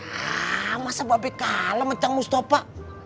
yah masa mbak be kalah sama cang mustafa